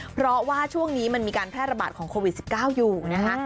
เพราะว่าช่วงนี้มันมีการแพร่ระบาดของโควิด๑๙อยู่นะคะ